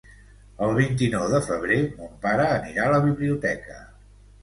El vint-i-nou de febrer mon pare anirà a la biblioteca.